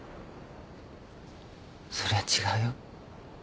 それは違うよ。